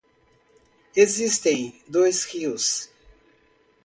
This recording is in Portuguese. Existem dois rios